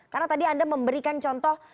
karena tadi anda memberikan contoh